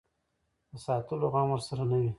د ساتلو غم ورسره نه وي.